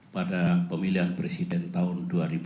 pada pemilihan presiden tahun dua ribu sembilan belas